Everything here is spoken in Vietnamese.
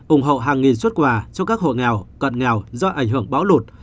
ủng hộ hàng nghìn xuất quà cho các hộ nghèo cận nghèo do ảnh hưởng bão lụt